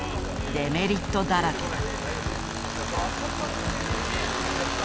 デメリットだらけだ。